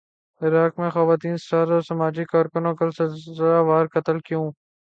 عراق میں خواتین اسٹارز اور سماجی کارکنوں کا سلسلہ وار قتل کیوں